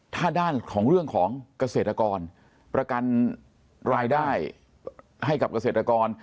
ถ้าด้านของเรื่องของเกษตรกรประกันรายได้ให้กับเกษตรกร